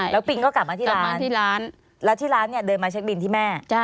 แล้วปิงก็กลับมาที่ร้านแล้วที่ร้านเนี่ยเดินมาเช็คบินที่แม่